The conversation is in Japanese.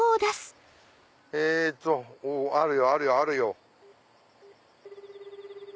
えっとあるよあるよ。